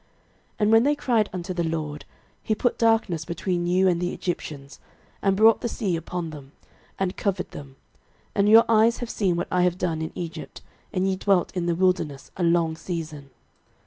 06:024:007 And when they cried unto the LORD, he put darkness between you and the Egyptians, and brought the sea upon them, and covered them; and your eyes have seen what I have done in Egypt: and ye dwelt in the wilderness a long season.